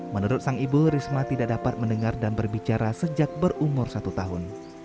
menurut sang ibu risma tidak dapat mendengar dan berbicara sejak berumur satu tahun